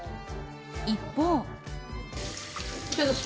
一方。